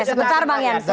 sebentar bang jansen